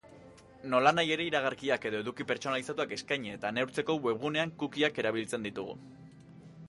Nolanahi ere, iragarkiak edo eduki pertsonalizatuak eskaini eta neurtzeko webgunean cookieak erabiltzen ditugu.